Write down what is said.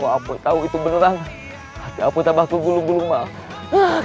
apa tahu itu beneran hati aku tambah ke gulung gulung maaf